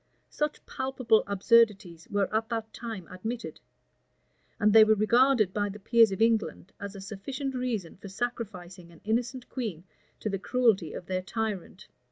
Such palpable absurdities were at that time admitted; and they were regarded by the peers of England as a sufficient reason for sacrificing an innocent queen to the cruelty of their tyrant.